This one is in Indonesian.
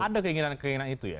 ada keinginan keinginan itu ya